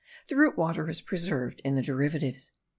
The root water is preserved in the derivatives.)